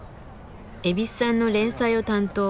蛭子さんの連載を担当。